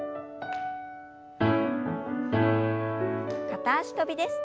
片脚跳びです。